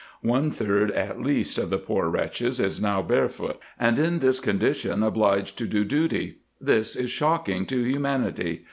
One third at least of the poor wretches is now barefoot, and in this con dition obliged to do duty. This is shocking to humanity.